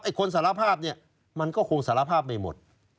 คนสารภาพเนี่ยมันก็คงสารภาพไม่หมด